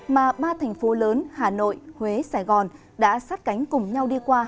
mà ba thành phố lớn hà nội huế sài gòn đã sát cánh cùng nhau đi qua